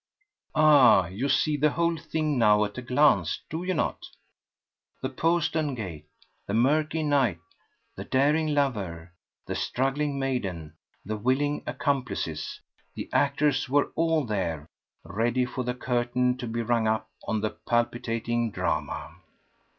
Ah, you see the whole thing now at a glance, do you not? The postern gate, the murky night, the daring lover, the struggling maiden, the willing accomplices. The actors were all there, ready for the curtain to be rung up on the palpitating drama.